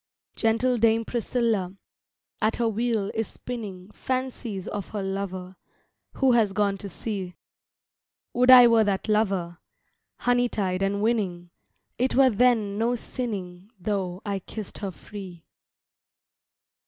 Gentle Dame Priscilla At her wheel is spinning Fancies of her lover, who has gone to sea. Would I were that lover, Honey tongued and winning, It were then no sinning though I kissed her free.